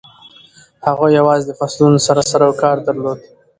هغوی یوازې د فصلونو سره سروکار درلود.